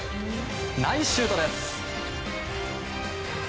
ナイスシュート！